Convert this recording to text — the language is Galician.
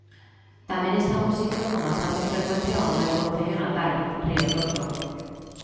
Tamén estamos indo con bastante frecuencia ao meu concello natal, Riotorto.